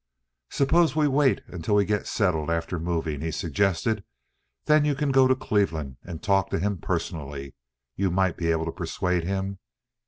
"Suppose we wait until we get settled after moving," he suggested. "Then you can go to Cleveland and talk to him personally. You might be able to persuade him."